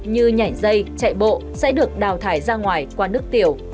như nhảy dây chạy bộ sẽ được đào thải ra ngoài qua nước tiểu